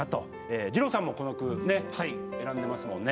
じろうさんもこの句選んでますもんね。